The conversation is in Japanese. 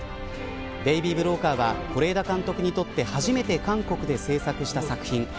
ベイビー・ブローカーは是枝監督にとって初めて韓国で制作した作品。